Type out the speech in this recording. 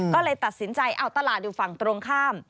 ก็เลยตัดสินใจเอาตลาดอยู่ฝั่งตรงข้าม